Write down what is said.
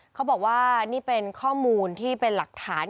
เขาบอกว่านี่เป็นข้อมูลที่เป็นหลักฐาน